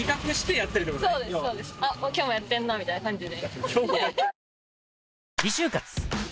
あっ今日もやってんなみたいな感じで。